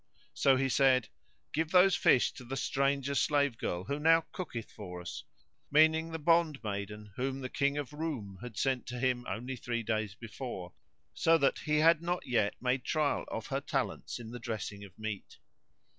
So he said, "Give those fish to the stranger slave girl who now cooketh for us," meaning the bond maiden whom the King of Roum had sent to him only three days before, so that he had not yet made trial of her talents in the dressing of meat.